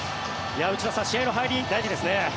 内田さん、試合の入り大事ですね。